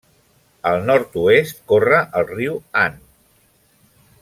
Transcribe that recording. Al nord-oest corre el Riu Han.